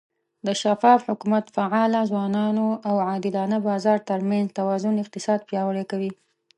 د شفاف حکومت، فعاله ځوانانو، او عادلانه بازار ترمنځ توازن اقتصاد پیاوړی کوي.